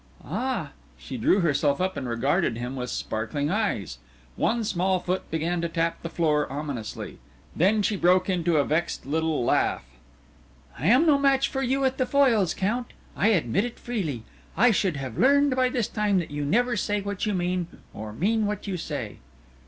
"Ah!" She drew herself up and regarded him with sparkling eyes. One small foot began to tap the floor ominously. Then she broke into a vexed little laugh. "I am no match for you with the foils, Count. I admit it freely. I should have learned by this time that you never say what you mean, or mean what you say."